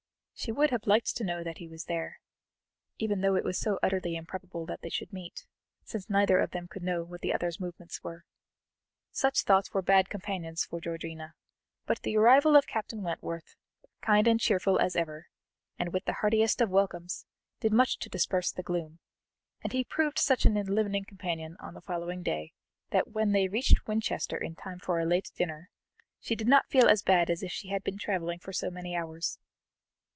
She would have liked to know that he was, even though it was so utterly improbable that they should meet, since neither of them could know what the other's movements were. Such thoughts were bad companions for Georgiana, but the arrival of Captain Wentworth, kind and cheerful as ever, and with the heartiest of welcomes, did much to disperse the gloom, and he proved such an enlivening companion on the following day that when they reached Winchester in time for a late dinner, she did not feel as bad as if she had been travelling for so many hours.